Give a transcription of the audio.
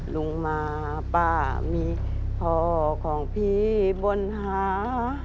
ลุงมาป้ามีพ่อของพี่บนหา